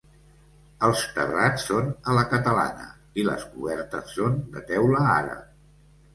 Els terrats són a la catalana i les cobertes són de teula àrab.